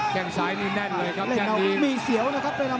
แค่งซ้ายนี้แน่นเลยครับแจ้งดี